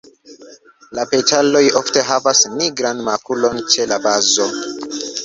La petaloj ofte havas nigran makulon ĉe la bazo.